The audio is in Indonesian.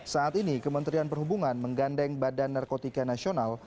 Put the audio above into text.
saat ini kementerian perhubungan menggandeng badan narkotika nasional